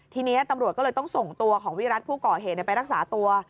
ทีนี้ตำรวจก็เลยต้องส่งตัวของวิรัติผู้ก่อเหตุไปรักษาตัว